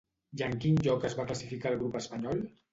I en quin lloc es va classificar el grup espanyol?